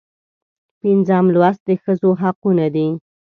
پنځم لوست د ښځو حقونه دي.